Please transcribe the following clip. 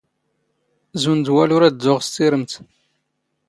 ⵣⵓⵏ ⴷ ⵡⴰⵍⵓ ⵔⴰⴷ ⴷⴷⵓⵖ ⵙ ⵜⵉⵔⵎⵜ